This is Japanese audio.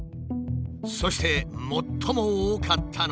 そして最も多かったのは。